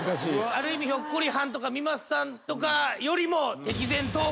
ある意味ひょっこりはんとか三又さんとかよりも。